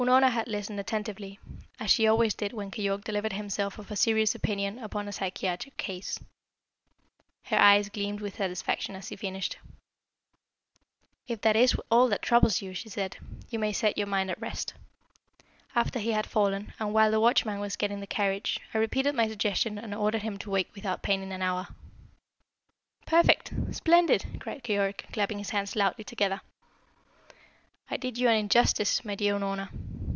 Unorna had listened attentively, as she always did when Keyork delivered himself of a serious opinion upon a psychiatric case. Her eyes gleamed with satisfaction as he finished. "If that is all that troubles you," she said, "you may set your mind at rest. After he had fallen, and while the watchman was getting the carriage, I repeated my suggestion and ordered him to wake without pain in an hour." "Perfect! Splendid!" cried Keyork, clapping his hands loudly together. "I did you an injustice, my dear Unorna.